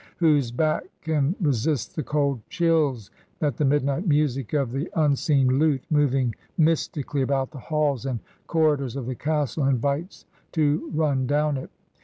Whose back can resist the cold chills that the midnight music of the unseen lute, moving mystically about the halls and cor ridors of the castle, invites to run down it